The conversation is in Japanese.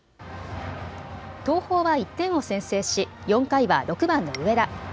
東邦は１点を先制し４回は６番の上田。